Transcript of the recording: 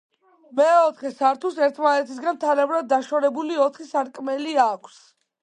მეოთხე სართულს ერთმანეთისგან თანაბრად დაშორებული ოთხი სარკმელი აქვს.